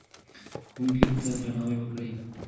ښوونکو ته درناوی وکړئ.